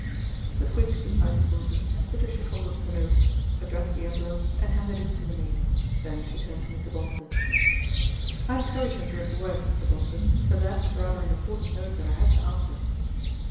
With quick, decisive movements Patricia folded the note, addressed the envelope and handed it to the maid, then she turned to Mr. Bonsor. " I am sorry to interrupt work, Mr. Bonsor ; but that was rather an important note that I had to answer."